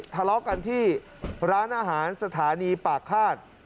ทะเลาะกันที่ร้านอาหารสถานีปากฆาต